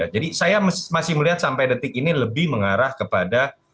saya masih melihat sampai detik ini lebih mengarah kepada